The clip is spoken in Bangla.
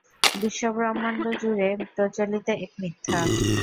বিশ্বব্রহ্মাণ্ডজুরে প্রচলিত এক মিথ্যা।